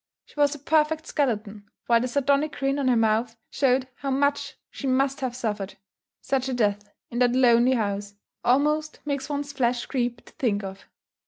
She was a perfect skeleton, while the sardonic grin on her mouth showed how much she must have suffered. Such a death, in that lonely house, almost makes one's flesh creep to think of.